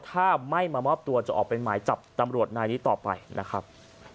ถ้าไม่มามอบตัวจะออกเป็นหมายจับตำรวจนายนี้ต่อไปนะครับ